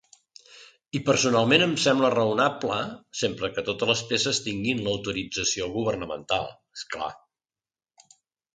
I personalment em sembla raonable, sempre que totes les peces tinguin l'autorització governamental, esclar.